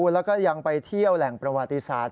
แล้วก็ยังไปเที่ยวแหล่งประวัติศาสตร์